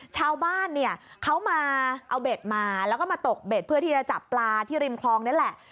ชาวบ้านเนี่ยเขามาเอาเบ็ดมาแล้วก็มาตกเบ็ดเพื่อที่จะจับปลาที่ริมคลองนี่แหละ